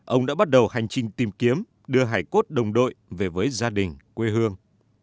ông đã bắt đầu hành trình tìm kiếm đưa hải cốt đồng đội về với gia đình quê hương